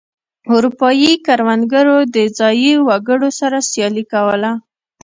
اروپايي کروندګرو د ځايي وګړو سره سیالي کوله.